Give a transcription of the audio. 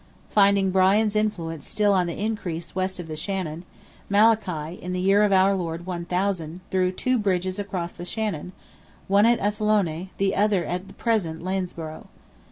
Finding Brian's influence still on the increase west of the Shannon, Malachy, in the year of our Lord 1000, threw two bridges across the Shannon, one at Athlone, the other at the present Lanesborough.